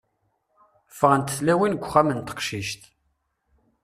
Ffɣent tlawin g uxxam n teqcict.